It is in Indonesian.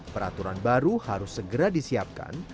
peraturan baru harus segera disiapkan